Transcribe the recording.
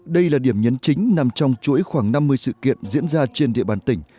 đây là điểm nhấn chính nằm trong chuỗi khoảng năm mươi sự kiện diễn ra trên địa bàn tỉnh